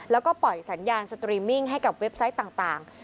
แล้วก็ปล่อยสัญญาณสตรีมมิ่งให้กับเว็บไซต์ต่าง